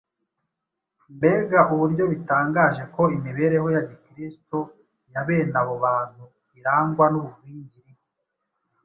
Mbega uburyo bitangaje ko imibereho ya Gikristo ya bene abo bantu irangwa n’ubugwingiri